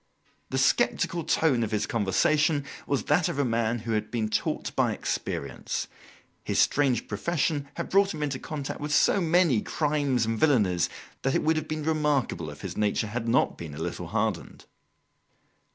The sceptical tone of his conversation was that of a man who had been taught by experience. His strange profession had brought him into contact with so many crimes and villanies that it would have been remarkable if his nature had not been a little hardened.